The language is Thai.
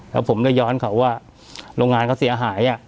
แล้วผมได้ย้อนเขาว่าโรงงานเขาเสียหาย